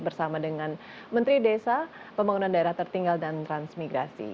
bersama dengan menteri desa pembangunan daerah tertinggal dan transmigrasi